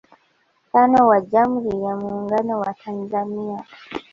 tano wa Jamhuri ya Muungano wa Tanzania